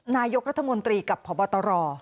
นายกรัฐมนตรีกับพบตร